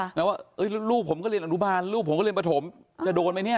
หมายถึงว่าลูกผมก็เรียนอนุบาลลูกผมก็เรียนปฐมจะโดนไหมเนี่ย